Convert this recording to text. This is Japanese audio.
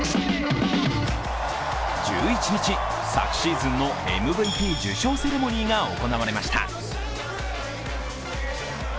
１１日、昨シーズンのＭＶＰ受賞セレモニーが行われました